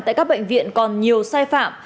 tại các bệnh viện còn nhiều sai phạm